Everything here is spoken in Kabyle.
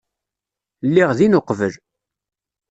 Lliɣ din uqbel.